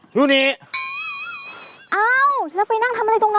ดูนี้เอ้าแล้วไปนั่งทำอะไรตรงนั้น